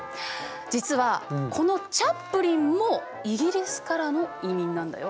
実はこのチャップリンもイギリスからの移民なんだよ。